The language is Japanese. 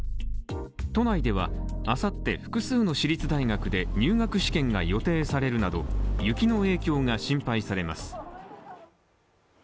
都内ではあさって複数の私立大学で入学試験が予定されるなど、雪の影響が心配されます。